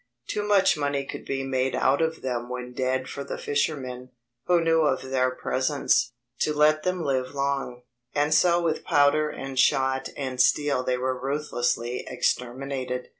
Too much money could be made out of them when dead for the fishermen, who knew of their presence, to let them live long; and so with powder and shot and steel they were ruthlessly exterminated.